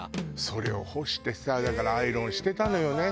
それを干してさだからアイロンしてたのよね